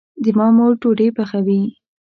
د ما مور ډوډي پخوي